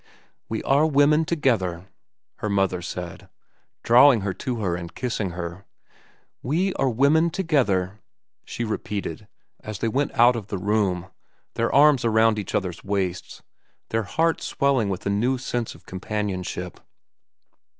"We are women together," her mother said, drawing her to her and kissing her. "We are women together," she repeated, as they went out of the room, their arms around each other's waists, their hearts swelling with a new sense of companionship.